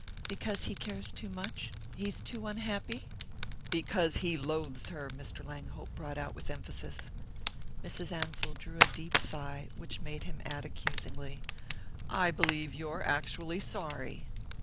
"Because he cares too much he's too unhappy?" "Because he loathes her!" Mr. Langhope brought out with emphasis. Mrs. Ansell drew a deep sigh which made him add accusingly: "I believe you're actually sorry!"